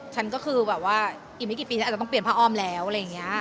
ฉันก็คือแบบว่าอีกไม่กี่ปีฉันอาจจะต้องเปลี่ยนผ้าอ้อมแล้วอะไรอย่างนี้